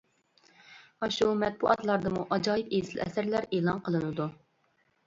ئاشۇ مەتبۇئاتلاردىمۇ ئاجايىپ ئېسىل ئەسەرلەر ئېلان قىلىنىدۇ.